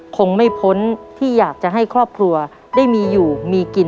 คงไม่พ้นที่อยากจะให้ครอบครัวได้มีอยู่เมื่อไหร่ครับ